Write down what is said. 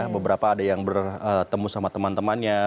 beberapa ada yang bertemu sama teman temannya